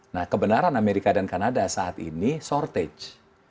nah kebenaran amerika dan kanada saat ini shortage